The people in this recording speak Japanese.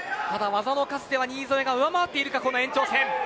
技の数では新添が上回っている延長戦です。